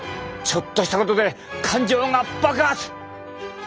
ちょっとしたことで感情が爆発！